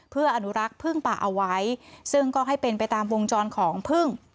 เพื่ออนุรักษ์พึ่งป่าเอาไว้ซึ่งก็ให้เป็นไปตามวงจรของพึ่ง